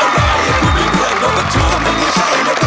มาถึงรอบแจ็คพอร์ตของเราแล้วนะครับ